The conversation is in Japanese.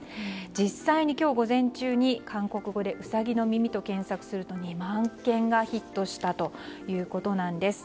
実際に今日、午前中に韓国語でウサギの耳と検索すると２万件がヒットしたということです。